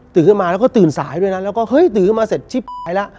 ขึ้นมาแล้วก็ตื่นสายด้วยนะแล้วก็เฮ้ยตื่นขึ้นมาเสร็จชิบไปแล้ว